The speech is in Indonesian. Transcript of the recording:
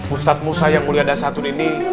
ustadz musa yang mulia dasa atun ini